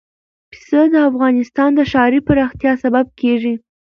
پسه د افغانستان د ښاري پراختیا سبب کېږي.